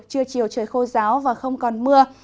chưa chiều trời khô giáo và không còn mưa